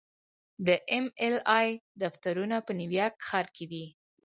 د ایم ایل اې دفترونه په نیویارک ښار کې دي.